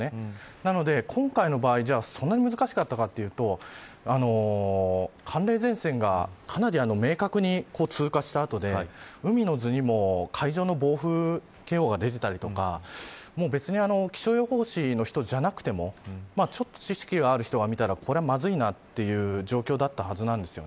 なので、今回の場合そんなに難しかったかというと寒冷前線がかなり明確に通過した後で海の図にも、海上の暴風警報が出ていたりとか別に気象予報士の人じゃなくてもちょっと知識がある人が見たらこれはまずいなという状況だったはずなんです。